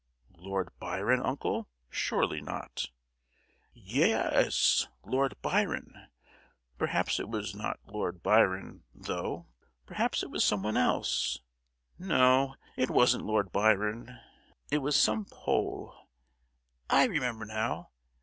"Lord Byron, uncle?—Surely not!" "Ye—yes, Lord Byron. Perhaps it was not Lord Byron, though, perhaps it was someone else; no, it wasn't Lord Byron, it was some Pole; I remember now.